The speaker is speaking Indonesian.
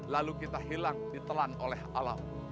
lalu kita hilang ditelan oleh alam